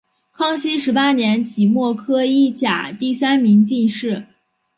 康熙十八年己未科一甲第三名进士。